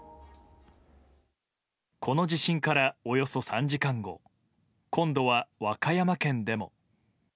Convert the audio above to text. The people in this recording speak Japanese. この地震からおよそ３時間後今度は和歌山県でも。